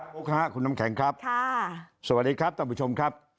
ุ๊กค่ะคุณน้ำแข็งครับค่ะสวัสดีครับท่านผู้ชมครับ